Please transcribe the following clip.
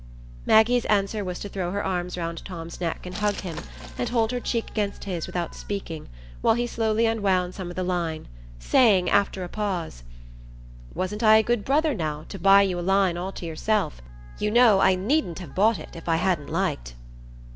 Maggie's answer was to throw her arms round Tom's neck and hug him, and hold her cheek against his without speaking, while he slowly unwound some of the line, saying, after a pause,— "Wasn't I a good brother, now, to buy you a line all to yourself? You know, I needn't have bought it, if I hadn't liked."